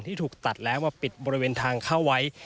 ที่ถูกตัดแล้วมาปิดบริเวณทางเข้าไว้